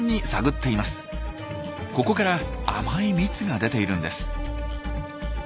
ここから甘い蜜が出ているんです。